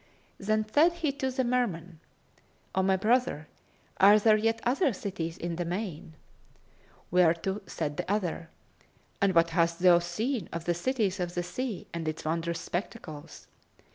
Then said he to the Merman, "O my brother, are there yet other cities in the main?"; whereto said the other, "And what hast thou seen of the cities of the sea and its wondrous spectacles?